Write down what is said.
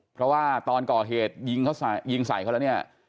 เพราะว่าตอนก่อเหตุยิงเขายิงใส่เขาแล้วเนี่ย